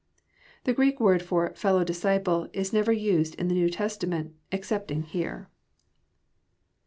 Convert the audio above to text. The Greek word for "fellow disciple" is never nsed in the Kew Testament excepting here.